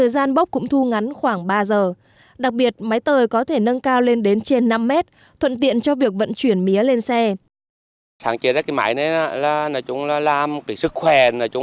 gian bốc cũng thu ngắn khoảng ba giờ đặc biệt máy tời có thể nâng cao lên đến trên năm mét thuận tiện cho việc vận chuyển mía lên xe